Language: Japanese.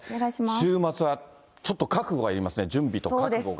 週末はちょっと覚悟がいりますね、準備と覚悟が。